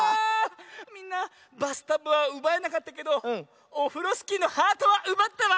みんなバスタブはうばえなかったけどオフロスキーのハートはうばったわ！